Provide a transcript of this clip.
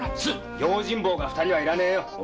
用心棒二人はいらねえよ。